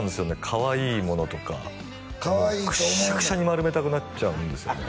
かわいいものとかもうクシャクシャに丸めたくなっちゃうんですよね